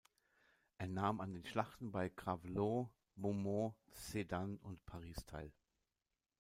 Er nahm an den Schlachten bei Gravelotte, Beaumont, Sedan und Paris teil.